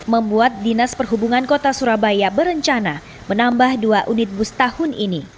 membuat dinas perhubungan kota surabaya berencana menambah dua unit bus tahun ini